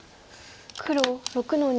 黒６の二。